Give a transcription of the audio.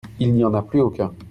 Il n'y en a plus aucun.